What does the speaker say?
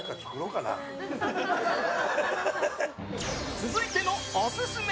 続いてのオススメ